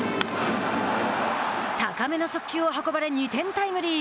高めの速球を運ばれ２点タイムリー。